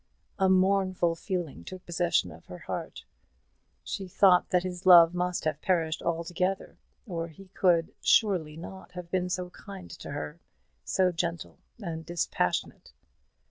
A mournful feeling took possession of her heart. She thought that his love must have perished altogether, or he could not surely have been so kind to her, so gentle and dispassionate.